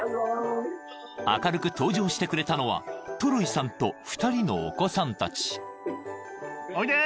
［明るく登場してくれたのはトロイさんと２人のお子さんたち］